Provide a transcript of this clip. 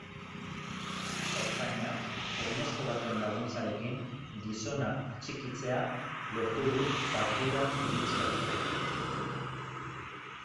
Ertzainak, oinezko baten laguntzarekin, gizona atxikitzea lortu du patruila iritsi arte.